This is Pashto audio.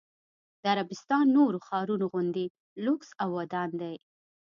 د عربستان نورو ښارونو غوندې لوکس او ودان دی.